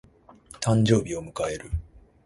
誕生日を迎える。